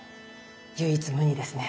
唯一無二ですね。